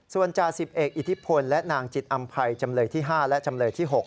ส่วนจ่าสิบเอกอิทธิพลและนางจิตอำภัยจำเลยที่๕และจำเลยที่๖